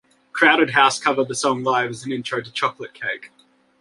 Crowded House covered the song live as an intro to "Chocolate Cake".